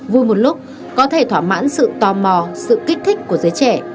vui một lúc có thể thỏa mãn sự tò mò sự kích thích của giới trẻ